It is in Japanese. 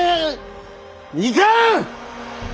いかん！